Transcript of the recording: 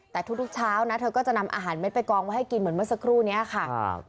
แต่ทุกเช้านะเธอก็จะนำอาหารเม็ดไปกองไว้ให้กินเหมือนเมื่อสักครู่นี้ค่ะ